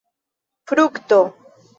frukto